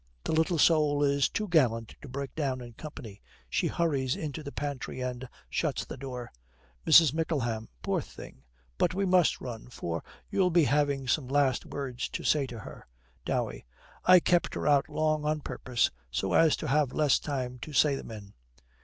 The little soul is too gallant to break down in company. She hurries into the pantry and shuts the door. MRS. MICKLEHAM. 'Poor thing! But we must run, for you'll be having some last words to say to her.' DOWEY. 'I kept her out long on purpose so as to have less time to say them in.'